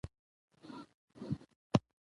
موږ باید ګډ کار ته ارزښت ورکړو